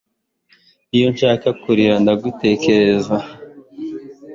Iyo nshaka kurira ndagutekereza